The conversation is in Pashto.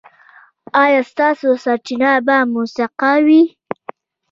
ایا ستاسو سرچینه به موثقه وي؟